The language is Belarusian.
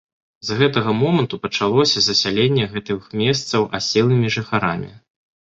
З гэтага моманту пачалося засяленне гэтых месцаў аселымі жыхарамі.